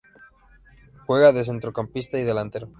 Juega de centrocampista y delantero.